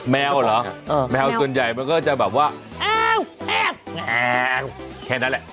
แมวเหรอแมวส่วนใหญ่มันก็จะแบบว่าอ้าวแอบไงแค่นั้นแหละ